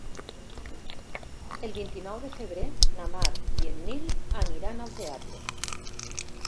El vint-i-nou de febrer na Mar i en Nil aniran al teatre.